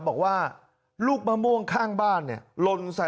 บอกว่าลูกมะม่วงข้างบ้านนี่